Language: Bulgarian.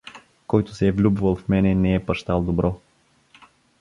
Който се е влюбвал в мене, не е пащал добро.